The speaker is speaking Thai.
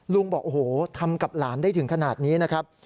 บอกโอ้โหทำกับหลานได้ถึงขนาดนี้นะครับ